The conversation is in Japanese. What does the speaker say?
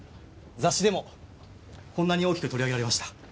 雑誌でもこんなに大きく取り上げられました。